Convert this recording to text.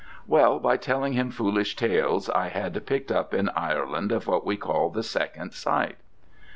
"Well, by telling him foolish tales I had picked up in Ireland of what we call the second sight."